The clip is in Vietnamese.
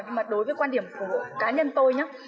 nhưng mà đối với quan điểm của cá nhân tôi